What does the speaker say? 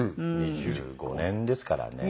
２５年ですからね。